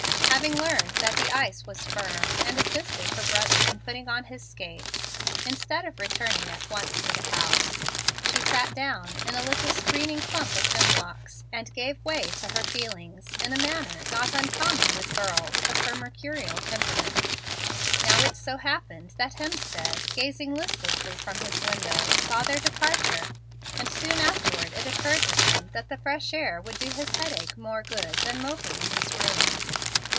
Having learned that the ice was firm, and assisted her little brother in putting on his skates, instead of returning at once to the house, she sat down in a little screening clump of hemlocks, and gave way to her feelings in a manner not uncommon with girls of her mercurial temperament. Now it so happened that Hemstead, gazing listlessly from his window, saw their departure, and soon afterward it occurred to him that the fresh air would do his headache more good than moping in his room.